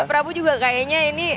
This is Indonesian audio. prabu juga kayaknya ini